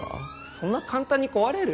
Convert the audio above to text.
そんな簡単に壊れる？